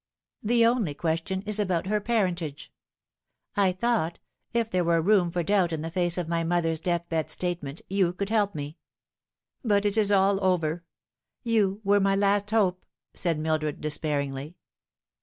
The only question is about her parentage. I thought, if there were room for doubt in the face of my mother's death bed statement you could help me. But it is all over. You were my last hope," said Mildred despairingly.